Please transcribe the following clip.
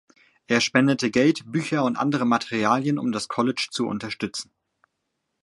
Er spendete Geld, Bücher und andere Materialien, um das College zu unterstützen.